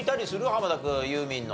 濱田君ユーミンの。